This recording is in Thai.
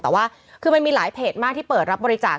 แต่ว่าคือมันมีหลายเพจมากที่เปิดรับบริจาค